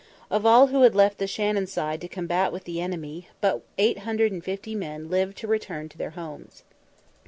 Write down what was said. Of all who had left the Shannon side to combat with the enemy, but 850 men lived to return to their homes.